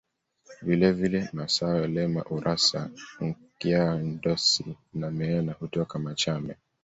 Vile vile Massawe Lema Urassa Nkya Ndosi na Meena hutoka Machame